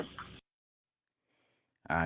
ก็มีแค่นี้ครับ